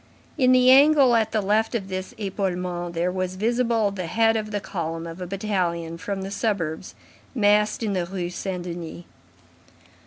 In the angle at the left of this epaulement, there was visible the head of the column of a battalion from the suburbs massed in the Rue Saint Denis.